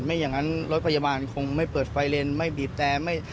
ไม่อย่างนั้นรถพยาบาลคงไม่เปิดไฟเลนไม่บีบแต่